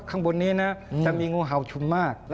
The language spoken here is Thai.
อ๋อออกไปอีก